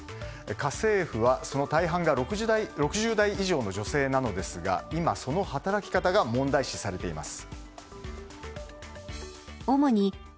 家政婦はその大半が６０代以上の女性なのですが今、その働き方が問題視されています。